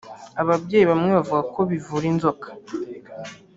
ababyeyi bamwe bavuga ngo bivura inzoka